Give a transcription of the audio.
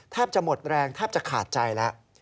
แทบจะหมดแรงแทบจะขาดใจแล้ว